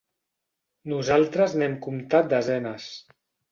Nosaltres n'hem comptat desenes.